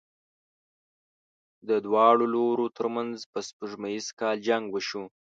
د دواړو لورو تر منځ په سپوږمیز کال جنګ وشو.